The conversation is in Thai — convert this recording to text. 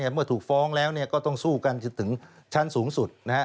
เมื่อถูกฟ้องแล้วก็ต้องสู้กันจนถึงชั้นสูงสุด